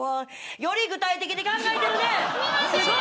より具体的に考えてるね。